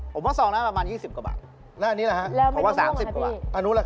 เฮ้ยซับซ้อนก็มีอีก